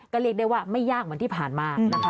ก็เรียกได้ว่าไม่ยากเหมือนที่ผ่านมานะคะ